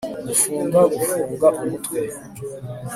Gufunga gufunga umutwe